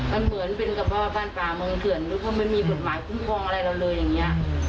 มันเหมือนเป็นกระเพาะบ้านป่าเมืองเถื่อนหรือเขาไม่มีกฎหมายคุ้มครองอะไรเราเลยอย่างนี้